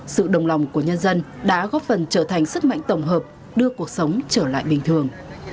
sự đồng lòng của nhân dân đã góp phần trở thành sức mạnh tổng hợp đưa cuộc sống trở lại bình thường